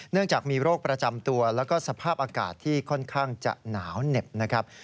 จากมีโรคประจำตัวแล้วก็สภาพอากาศที่ค่อนข้างจะหนาวเหน็บนะครับ